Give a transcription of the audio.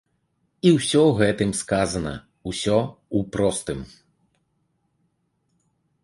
І ўсё гэтым сказана, усё ў простым.